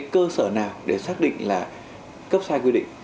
cơ sở nào để xác định là cấp sai quy định